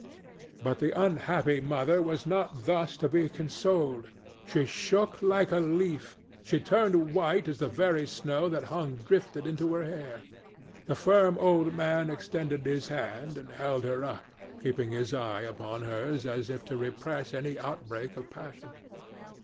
But the unhappy mother was not thus to be consoled. She shook like a leaf; she turned white as the very snow that hung drifted into her hair. The firm old man extended his hand and held her up, keeping his eye upon hers as if to repress any outbreak of passion.